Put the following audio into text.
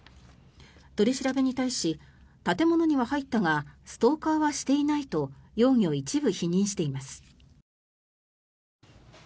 取り調べに対し建物には入ったがストーカーはしていないと容疑を一部否認しています。